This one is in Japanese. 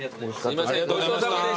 ごちそうさまでした。